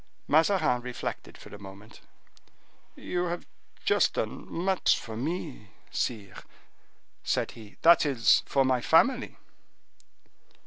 Mazarin reflected for a moment. "You have just done much for me, sire," said he, "that is, for my family."